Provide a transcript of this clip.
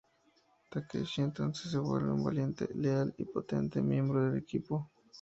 Takeshi entonces se vuelve un valiente, leal y potente miembro del equipo.